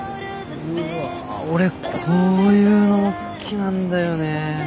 うわ俺こういうのも好きなんだよね。